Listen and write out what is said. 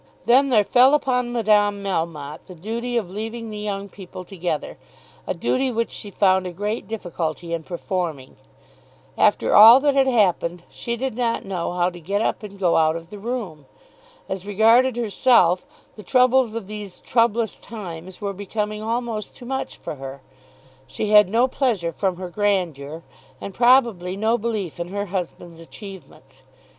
Then there fell upon Madame Melmotte the duty of leaving the young people together, a duty which she found a great difficulty in performing. After all that had happened, she did not know how to get up and go out of the room. As regarded herself, the troubles of these troublous times were becoming almost too much for her. She had no pleasure from her grandeur, and probably no belief in her husband's achievements.